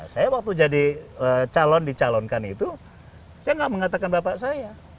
saya waktu jadi calon dicalonkan itu saya nggak mengatakan bapak saya